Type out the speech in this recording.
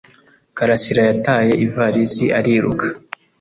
Karasira yataye ivalisi ariruka.